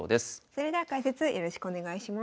それでは解説よろしくお願いします。